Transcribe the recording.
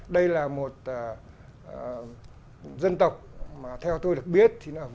đây là một dân tộc mà theo tôi được biết